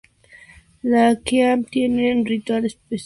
Los qiang tienen un ritual especial para los embarazos y nacimientos.